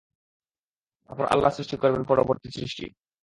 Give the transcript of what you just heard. তারপর আল্লাহ সৃষ্টি করবেন পরবর্তী সৃষ্টি।